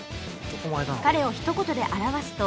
彼をひと言で表すと